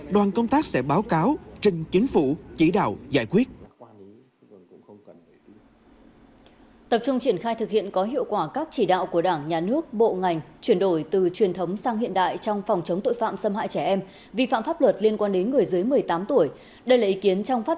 đoàn công tác sẽ báo cáo trình chính phủ chỉ đạo giải quyết